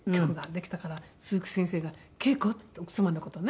できたから鈴木先生が「圭子」って奥様の事ね。